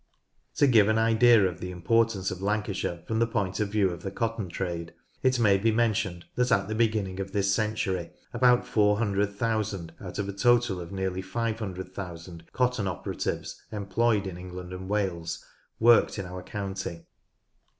To give an idea of the importance of Lancashire from the point of view of the cotton trade it may be mentioned that at the beginning of this century about 400,000 out of a total of nearly 500,000 cotton operatives employed in England and Wales worked in our county.